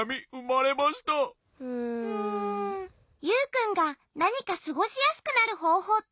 ユウくんがなにかすごしやすくなるほうほうってないのかな？